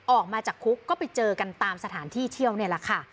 ออกมาจากคุกก็ไปเจอกันตามสถานที่เที่ยวนี่แหละค่ะ